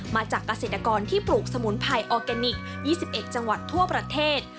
มาจากเกษตรกรที่ปลูกสมุนไพออร์แกนิค๒๑จังหวัดทั่วประเทศ